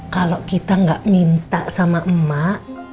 kalau kita nggak minta sama emak